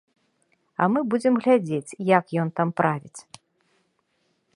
А мы будзем глядзець, як ён там правіць.